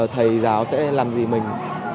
thầy giáo sẽ làm gì mình